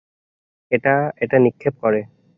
এই, এটা নিক্ষেপ করে।